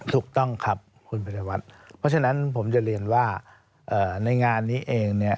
ถูกต้องครับคุณพิรวัตรเพราะฉะนั้นผมจะเรียนว่าในงานนี้เองเนี่ย